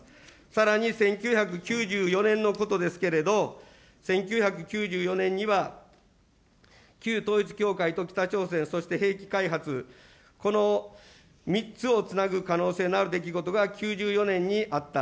さらに１９９４年のことですけれども、１９９４年には旧統一教会と北朝鮮、そして兵器開発、この３つをつなぐ可能性のある出来事が９４年にあった。